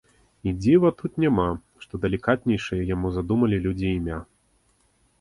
І дзіва тут няма, што далікатнейшае яму здумалі людзі імя.